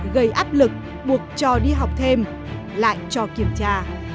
gây áp lực buộc cho đi học thêm lại cho kiểm tra